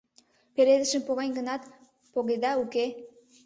Пеледышым погем гынат, погеда, уке?